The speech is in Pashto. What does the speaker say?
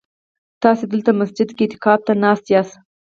تاسي دلته مسجد کي اعتکاف ته ناست ياست؟